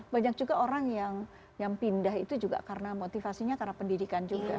banyak juga orang yang pindah itu juga karena motivasinya karena pendidikan juga